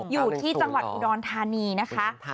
อยู่ที่จังหวัดอุดรธานีนะคะ